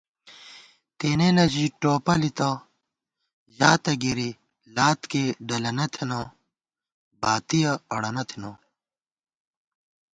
تېنېنہ ژِی ٹوپَلِتہ ، ژاتہ گِرِی ، لات کېئ ڈلَنہ تھنہ ، باتِیَہ اڑَنہ تھنَہ